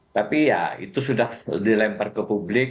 tapi ya itu sudah dilempar ke publik